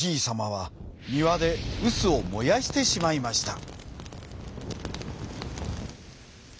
はにわでうすをもやしてしまいました。